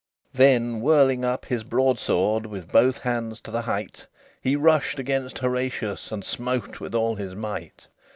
XLIV Then, whirling up his broadsword With both hands to the height, He rushed against Horatius, And smote with all his might.